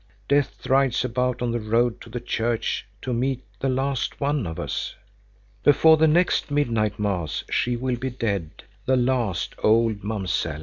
Death rides about on the road to the church to meet the last one of us. Before the next midnight mass she will be dead, the last old Mamsell.